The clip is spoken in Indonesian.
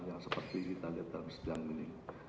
yang seperti kita lihat dalam sidang ini